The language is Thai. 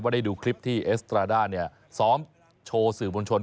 ได้ดูคลิปที่เอสตราด้าเนี่ยซ้อมโชว์สื่อมวลชน